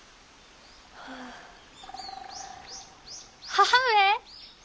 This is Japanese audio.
母上！